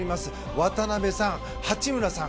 渡邊さん八村さん